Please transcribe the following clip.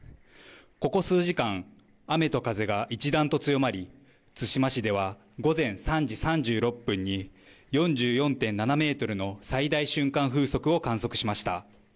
ここ数時間、雨と風が一段と強まり、対馬市では午前３時３６分に４４．７メートルの最大瞬間風速を観測しました。